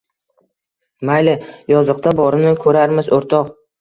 – Mayli, yoziqda borini ko‘rarmiz, o‘rtoq